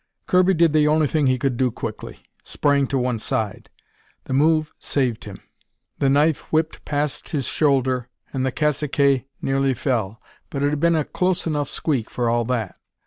Kirby did the only thing he could do quickly sprang to one side. The move saved him. The knife whipped past his shoulder, and the cacique nearly fell. But it had been a close enough squeak for all that.